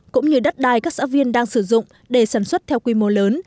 cũng như đất đai các xã viên đang sử dụng để sản xuất theo quy mô lớn